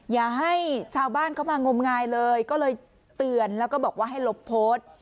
อย่าให้ชาวบ้านเข้ามางมงายเลยก็เลยเตือนแล้วก็บอกว่าให้ลบโพสต์